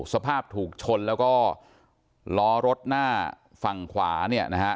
สภาพถูกชนแล้วก็ล้อรถหน้าฝั่งขวาเนี่ยนะฮะ